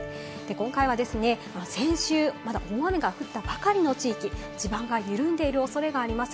今回はですね、先週、まだ大雨が降ったばかりの地域、地盤が緩んでいる恐れがあります。